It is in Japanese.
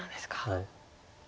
はい。